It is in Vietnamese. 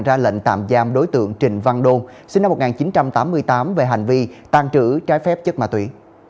ra lệnh tạm giam đối tượng trình văn đôn sinh năm một nghìn chín trăm tám mươi tám về hành vi tàn trữ trái phép chất ma túy